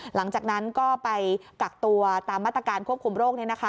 หลังจากนั้นก็ไปกักตัวตามมาตรการควบคุมโรค